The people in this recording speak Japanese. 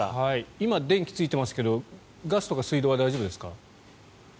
今、電気がついてますがガスとか水道は大丈夫ですか？